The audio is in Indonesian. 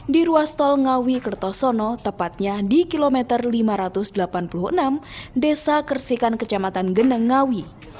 di ruas tol ngawi kertosono tepatnya di kilometer lima ratus delapan puluh enam desa kersikan kecamatan geneng ngawi